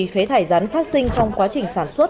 phế thải rắn phát sinh trong quá trình sản xuất